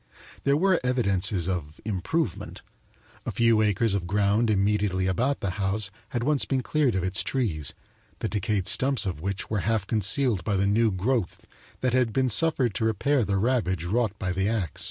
There were evidences of "improvement" a few acres of ground immediately about the house had once been cleared of its trees, the decayed stumps of which were half concealed by the new growth that had been suffered to repair the ravage wrought by the ax.